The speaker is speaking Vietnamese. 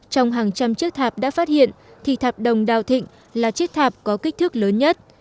trong hàng trăm chiếc thạp đã phát hiện thì thạp đồng đào thịnh là chiếc thạp có kích thước lớn nhất